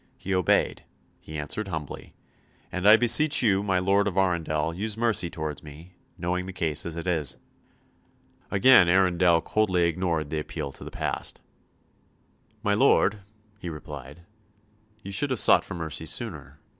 He obeyed, he answered humbly; "and I beseech you, my Lord of Arundel, use mercy towards me, knowing the case as it is." Again Arundel coldly ignored the appeal to the past. "My lord," he replied, "ye should have sought for mercy sooner.